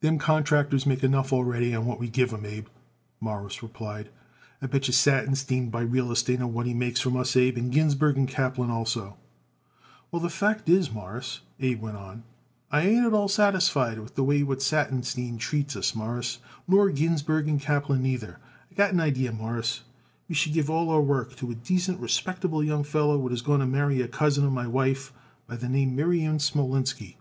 "Them contractors makes enough already on what we give them, Abe," Morris replied. "I bet yer Satinstein buys real estate on what he makes from us, Abe, and Ginsburg & Kaplan also." "Well, the fact is, Mawruss," Abe went on, "I ain't at all satisfied with the way what Satinstein treats us, Mawruss, nor Ginsburg & Kaplan neither. I got an idee, Mawruss: we should give all our work to a decent, respectable young feller what is going to marry a cousin of my wife, by the name Miriam Smolinski."